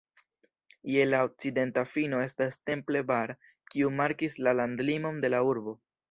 Je la okcidenta fino estas Temple Bar, kiu markis la landlimon de la urbo.